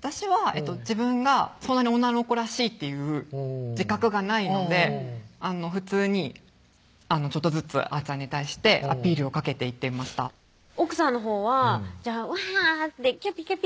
私は自分が女の子らしいっていう自覚がないので普通にちょっとずつあーちゃんに対してアピールをかけていってました奥さんのほうはワーッてキャピキャピ